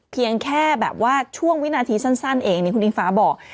เพียงแค่แบบว่าช่วงวินาทีสั้นเองนี่คุณอิงฟ้าบอก